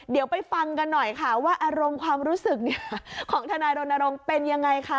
เดี๋ยวไปฟังกันหน่อยค่ะว่าอารมณ์ความรู้สึกของทนายรณรงค์เป็นยังไงคะ